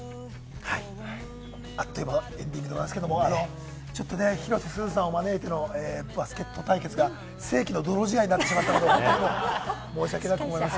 あっという間のエンディングですけど、広瀬すずさんを招いてのバスケット対決が世紀の泥仕合になってしまったの、本当に申し訳なく思います。